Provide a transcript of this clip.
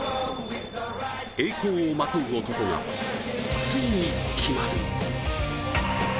栄光をまとう男がついに決まる。